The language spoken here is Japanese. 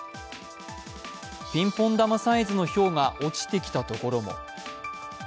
ピンポン玉サイズのひょうが落ちてきた所も。